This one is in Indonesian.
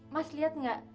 mas liat gak